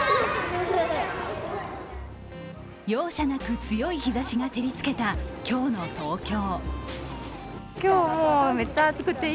容赦なく強い日ざしが照りつけた今日の東京。